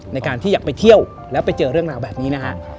ในการที่อยากไปเที่ยวแล้วไปเจอเรื่องราวแบบนี้นะฮะ